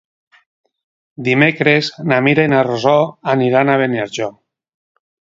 Dimecres na Mira i na Rosó aniran a Beniarjó.